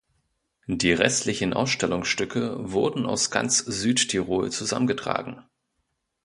Die restlichen Ausstellungsstücke wurden aus ganz Südtirol zusammengetragen.